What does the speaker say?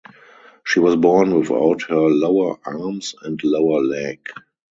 She was born without her lower arms and lower leg.